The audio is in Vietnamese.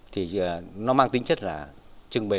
thì nó mang tính chất là trưng bày